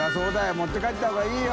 持って帰った方がいいよ。